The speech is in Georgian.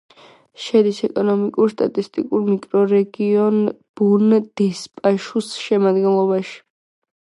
შედის ეკონომიკურ-სტატისტიკურ მიკრორეგიონ ბონ-დესპაშუს შემადგენლობაში.